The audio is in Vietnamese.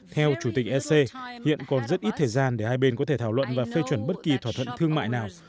theo chủ tịch ec hiện còn rất ít thời gian để hai bên có thể thảo luận và phê chuẩn bất kỳ thỏa thuận thương mại nào